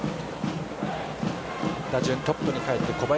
打順トップに帰って、小林。